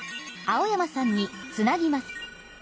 青山さんにつなぎます。